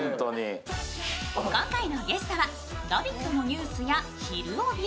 今回のゲストは「ラヴィット！」のニュースや「ひるおび」。